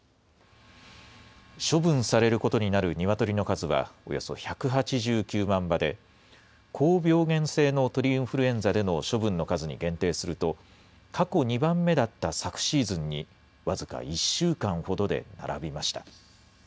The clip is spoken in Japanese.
処分されることになるニワトリの数はおよそ１８９万羽で、高病原性の鳥インフルエンザでの処分の数に限定すると、過去２番目だった昨シーズンに、僅か１週間ほどで並びました。